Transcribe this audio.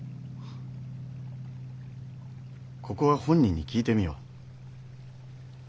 ここは本人に聞いてみよう。